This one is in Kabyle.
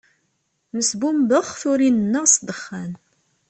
Nesbumbex turin-nneɣ s ddexxan.